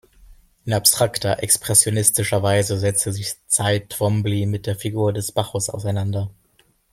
In abstrakter, expressionistischer Weise setzte sich Cy Twombly mit der Figur des Bacchus auseinander.